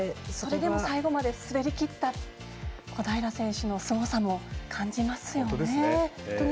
それでも最後まで滑りきった小平選手のすごさも感じますよね。